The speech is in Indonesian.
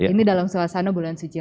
ini dalam suasana bulan suci